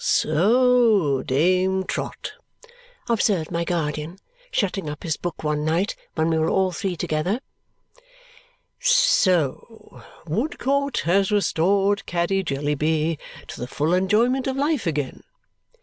"So, Dame Trot," observed my guardian, shutting up his book one night when we were all three together, "so Woodcourt has restored Caddy Jellyby to the full enjoyment of life again?"